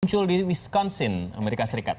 muncul di wisconsin amerika serikat